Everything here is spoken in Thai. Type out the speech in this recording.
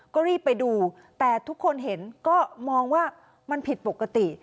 ก็รีบไปดูแต่ทุกคนเห็นก็มองว่ามันผิดปกติ